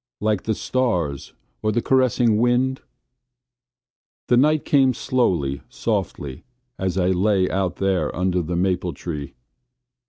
Like the stars or the caressing wind? The night came slowly, softly, as I lay out there under the maple tree.